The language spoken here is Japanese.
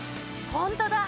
ホントだ！